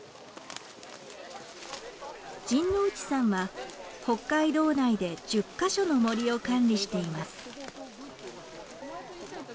陣内さんは北海道内で１０カ所の森を管理しています。